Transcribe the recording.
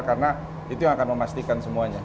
karena itu yang akan memastikan semuanya